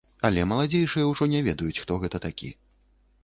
Але маладзейшыя ўжо не ведаюць, хто гэта такі.